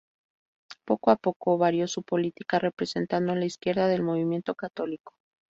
Poco a poco varió su política representando la izquierda del movimiento católico.